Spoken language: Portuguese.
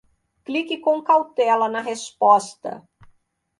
Clique com cautela na resposta!